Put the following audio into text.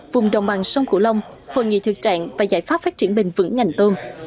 vùng đồng bằng sông cửu long hội nghị thực trạng và giải pháp phát triển bền vững ngành tôm